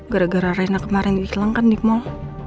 gara gara rena kemarin dihilangkan di mall